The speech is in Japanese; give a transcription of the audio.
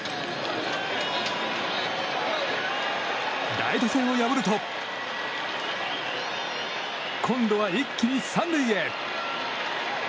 ライト線を破ると今度は一気に３塁へ。